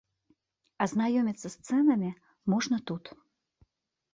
Азнаёміцца з цэнамі можна тут.